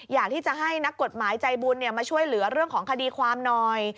อยากที่จะให้นักกฎหมายใจบุญมาช่วยเหลือเรื่องของคดีความหน่อย